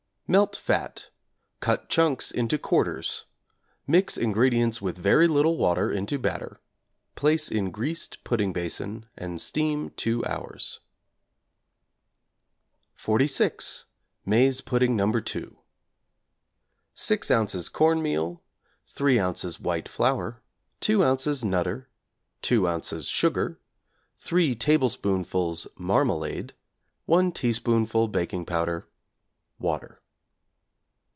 Melt fat, cut chunks into quarters; mix ingredients with very little water into batter; place in greased pudding basin and steam 2 hours. =46. Maize Pudding No. 2= 6 ozs. corn meal, 3 ozs. white flour, 2 ozs. 'Nutter,' 2 ozs. sugar, 3 tablespoonfuls marmalade, 1 teaspoonful baking powder, water.